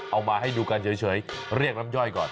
เอามาให้ดูกันเฉยเรียกน้ำย่อยก่อน